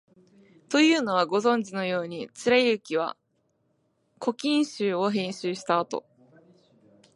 というのは、ご存じのように、貫之は「古今集」を編集したあと、